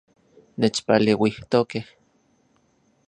Nechpaleuijtokej